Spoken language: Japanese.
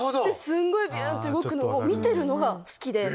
すんごいビュン！って動くのを見てるのが好きで。